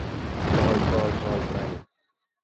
চল, চল, চল, মেল!